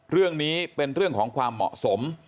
เรื่องนี้เป็นเรื่องของความเหมาะสม